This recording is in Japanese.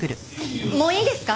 もういいですか？